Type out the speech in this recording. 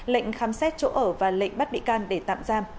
lệnh khám xét chỗ ở và lệnh bắt bị can để tạm giam